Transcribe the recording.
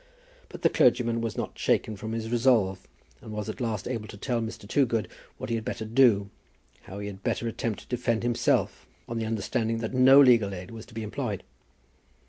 But the clergyman was not shaken from his resolve, and was at last able to ask Mr. Toogood what he had better do, how he had better attempt to defend himself, on the understanding that no legal aid was to be employed.